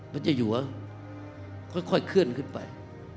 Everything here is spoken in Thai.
พระเจ้าอยู่ค่อยเคลื่อนขึ้นไป